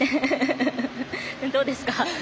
どうですか？